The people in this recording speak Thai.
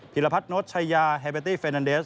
พิรพัฒน์โน้ตชายาแฮเบตตี้เฟรนัเดส